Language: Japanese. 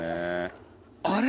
あれ？